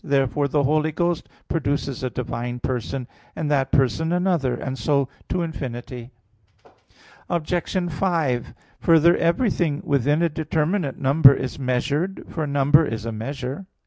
Therefore the Holy Ghost produces a divine person; and that person another; and so to infinity. Obj. 5: Further, everything within a determinate number is measured, for number is a measure.